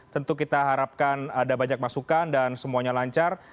tentu kita harapkan ada banyak masukan dan semuanya lancar